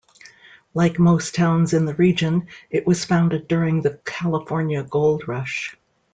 Like most towns in the region, it was founded during the California Gold Rush.